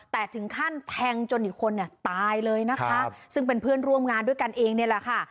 แต่ถึงขั้นแทงจนอีกคนเนี่ยตายเลยนะคะซึ่งเป็นเพื่อนร่วมงานด้วยกันเองนี่แหละค่ะ